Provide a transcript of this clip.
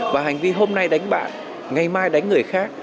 và hành vi hôm nay đánh bạn ngày mai đánh người khác